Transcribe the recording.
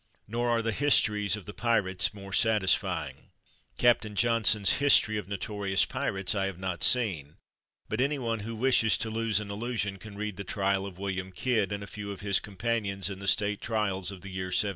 Nor are the histories of the pirates more satisfying. Captain Johnson's " History of Notorious Pirates " I have not seen, but any one who wishes to lose an illusion can read the trial of William Kidd and a few of his companions in the State trials of the year 1701.